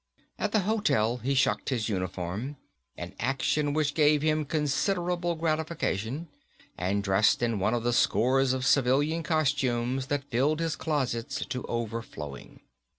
At the hotel he shucked his uniform, an action which gave him considerable gratification, and dressed in one of the score of civilian costumes that filled his closets to overflowing.